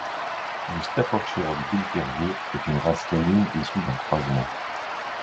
Le Staffordshird bull terrier est une race canine issue d'un croisement.